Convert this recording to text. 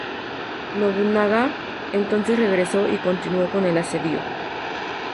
Nobunaga entonces regresó y continuó con el asedio.